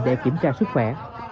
để kiểm tra sức khỏe